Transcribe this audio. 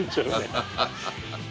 ハハハハ。